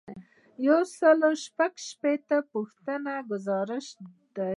یو سل او شپږ شپیتمه پوښتنه ګزارش دی.